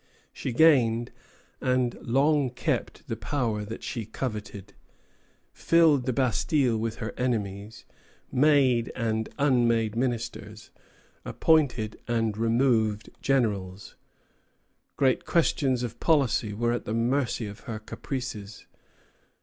She gained and long kept the power that she coveted: filled the Bastille with her enemies; made and unmade ministers; appointed and removed generals. Great questions of policy were at the mercy of her caprices.